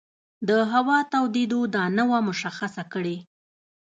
د هوا تودېدو دا نه وه مشخصه کړې.